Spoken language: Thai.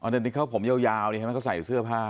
อ๋อแต่นี่เขาผมยาวนี่เขาใส่เสื้อผ้า